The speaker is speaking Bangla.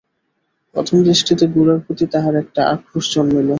প্রথম দৃষ্টিতেই গোরার প্রতি তাহার একটা আক্রোশ জন্মিল।